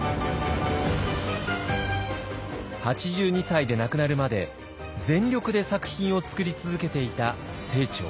８２歳で亡くなるまで全力で作品を作り続けていた清張。